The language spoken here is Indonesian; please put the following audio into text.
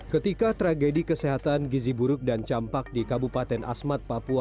ketika tragedi kesehatan gizi buruk dan campak di kabupaten asmat papua